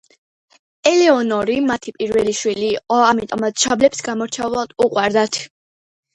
ელეონორი მათი პირველი შვილი იყო, ამიტომაც მშობლებს გამორჩეულად უყვარდათ.